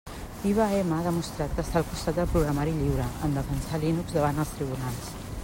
IBM ha demostrat que està al costat del programari lliure en defensar Linux davant els tribunals.